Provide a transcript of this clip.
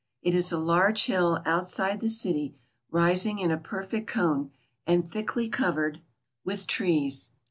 It is a large hill outside the city, rising in a perfect cone, and thickly covered with trees.